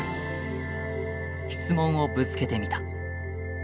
質問をぶつけてみた。